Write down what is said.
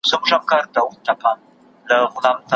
ما په لار کي وه کرلي درمندونه د اغزیو